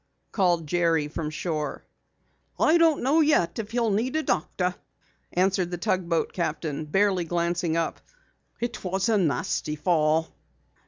called Jerry from shore. "Don't know yet if he'll need a doctor," answered the tugboat captain, barely glancing up. "It was a nasty fall."